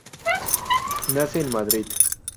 Nace en Madrid.